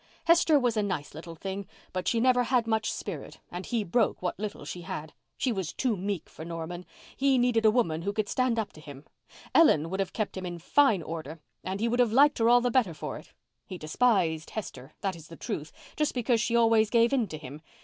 Hester was a nice little thing, but she never had much spirit and he broke what little she had. She was too meek for Norman. He needed a woman who could stand up to him. Ellen would have kept him in fine order and he would have liked her all the better for it. He despised Hester, that is the truth, just because she always gave in to him.